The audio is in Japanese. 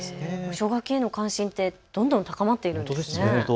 奨学金への関心ってどんどん高まっているんですね。